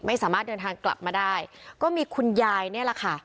ไม่สามารถเดินทางกลับมาได้ก็มีคุณยายนี่แหละค่ะ